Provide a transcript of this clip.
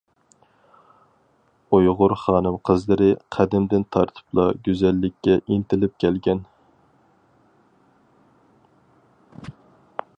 ئۇيغۇر خانىم-قىزلىرى قەدىمدىن تارتىپلا گۈزەللىككە ئىنتىلىپ كەلگەن.